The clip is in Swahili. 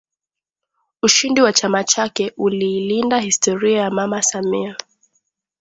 Ushindi wa chama chake uliilinda historia ya Mama Samia